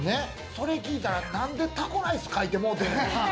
それ、聞いたら、なんでタコライス書いてもうてん。